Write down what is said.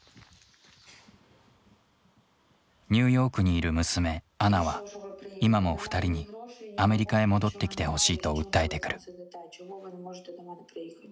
ニューヨークにいる娘アナは今も２人にアメリカへ戻ってきてほしいと訴えてくる。